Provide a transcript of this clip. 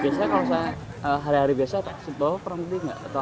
biasanya kalau saya hari hari biasa pak setelah lo pernah beli nggak